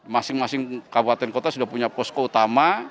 masing masing kabupaten kota sudah punya posko utama